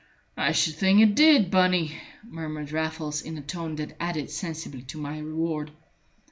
"I should think it did, Bunny," murmured Raffles, in a tone that added sensibly to my reward.